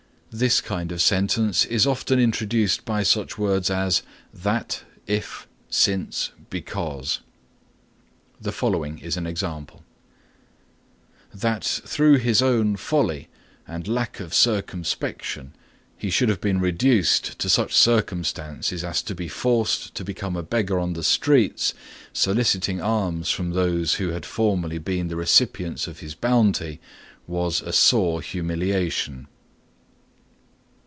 This kind of sentence is often introduced by such words as that, if, since, because. The following is an example: "That through his own folly and lack of circumspection he should have been reduced to such circumstances as to be forced to become a beggar on the streets, soliciting alms from those who had formerly been the recipients of his bounty, was a sore humiliation."